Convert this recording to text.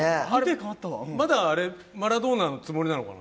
まだあれ、マラドーナのつもりなのかな？